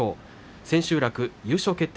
千秋楽の優勝決定